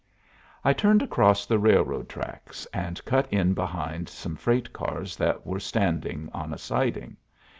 I turned across the railroad tracks, and cut in behind some freight cars that were standing on a siding.